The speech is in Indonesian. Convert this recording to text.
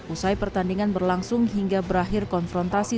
usai pertandingan berlangsung hingga berakhir konfrontasi